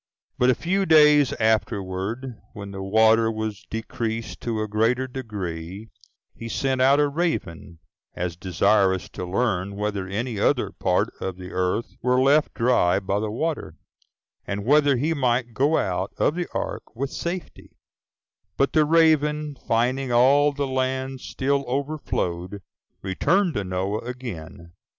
But a few days afterward, when the water was decreased to a greater degree, he sent out a raven, as desirous to learn whether any other part of the earth were left dry by the water, and whether he might go out of the ark with safety; but the raven, finding all the land still overflowed, returned to Noah again.